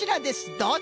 どうぞ！